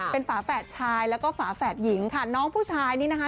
เป็นฝาแฝดชายแล้วก็ฝาแฝดหญิงค่ะน้องผู้ชายนี่นะคะ